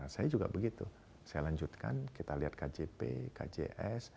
saya juga begitu saya lanjutkan kita lihat kjp kjs